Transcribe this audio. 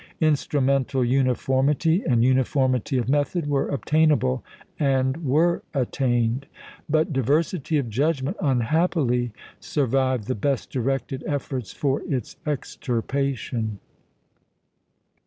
Instrumental uniformity and uniformity of method were obtainable, and were attained; but diversity of judgment unhappily survived the best directed efforts for its extirpation.